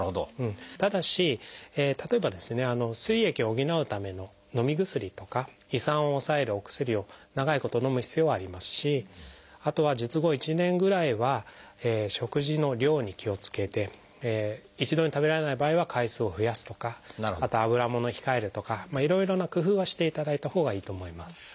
ただし例えば膵液を補うためののみ薬とか胃酸を抑えるお薬を長いことのむ必要はありますしあとは術後１年ぐらいは食事の量に気をつけて一度に食べられない場合は回数を増やすとかあとはあぶらものを控えるとかいろいろな工夫はしていただいたほうがいいと思います。